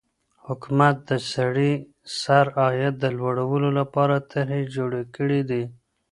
حکومت د سړي سر عاید د لوړولو لپاره طرحې جوړي کړې دي.